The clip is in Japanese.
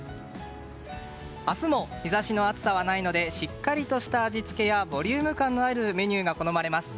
明日も日差しの暑さはないのでしっかりとした味付けやボリューム感のあるメニューが好まれます。